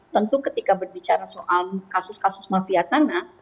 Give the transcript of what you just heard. tentu ketika berbicara soal kasus kasus mafia tanah